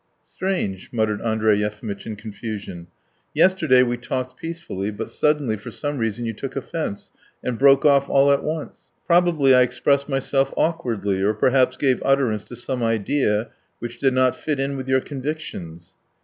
"Strange," muttered Andrey Yefimitch in confusion. "Yesterday we talked peacefully, but suddenly for some reason you took offence and broke off all at once. ... Probably I expressed myself awkwardly, or perhaps gave utterance to some idea which did not fit in with your convictions.